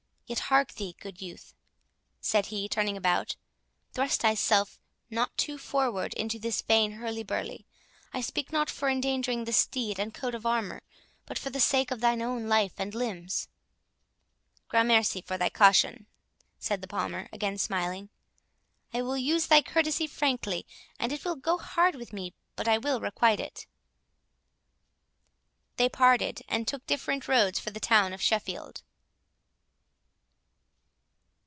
—Yet hark thee, good youth," said he, turning about, "thrust thyself not too forward into this vain hurly burly—I speak not for endangering the steed, and coat of armour, but for the sake of thine own life and limbs." "Gramercy for thy caution," said the Palmer, again smiling; "I will use thy courtesy frankly, and it will go hard with me but I will requite it." They parted, and took different roads for the town of Sheffield.